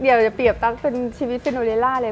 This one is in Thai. อย่าเปรียบตั๊กเป็นชีวิตซินโดเรลล่าเลย